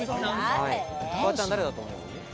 フワちゃん誰だと思う？